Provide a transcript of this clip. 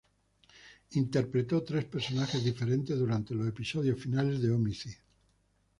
Interpretó tres personajes diferentes durante los episodios finales de "Homicide".